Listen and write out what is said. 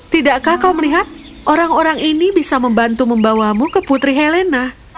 tidakkah kau melihat orang orang ini bisa membantu membawamu ke putri helena